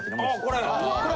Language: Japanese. これ？